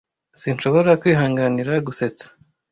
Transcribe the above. Sinshobora kwihanganira gusetsa.